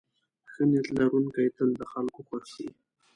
ښه نیت لرونکی تل د خلکو خوښ وي.